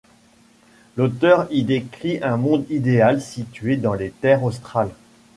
L'auteur y décrit un monde idéal, situé dans les terres australes.